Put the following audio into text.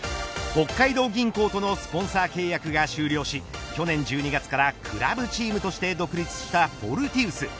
北海道銀行とのスポンサー契約が終了し去年１２月からクラブチームとして独立したフォルティウス。